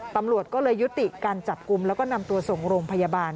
ตำรวจก็เลยยุติการจับกลุ่มแล้วก็นำตัวส่งโรงพยาบาล